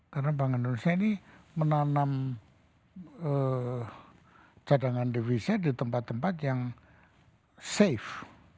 karena bank indonesia ini menanam cadangan divisa di tempat tempat yang safe